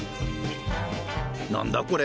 何だこれ？